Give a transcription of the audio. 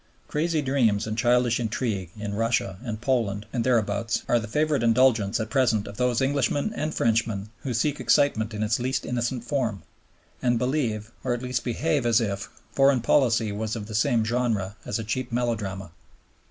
Crazy dreams and childish intrigue in Russia and Poland and thereabouts are the favorite indulgence at present of those Englishmen and Frenchmen who seek excitement in its least innocent form, and believe, or at least behave as if foreign policy was of the same genre as a cheap melodrama.